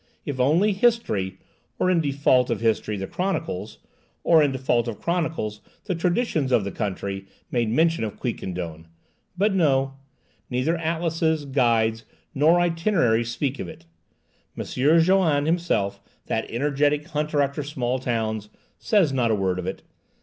If only history, or in default of history the chronicles, or in default of chronicles the traditions of the country, made mention of Quiquendone! But no; neither atlases, guides, nor itineraries speak of it. M. Joanne himself, that energetic hunter after small towns, says not a word of it.